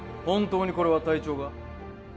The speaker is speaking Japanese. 本当にこれは隊長が？